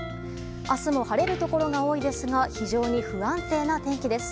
明日も晴れるところが多いですが非常に不安定な天気です。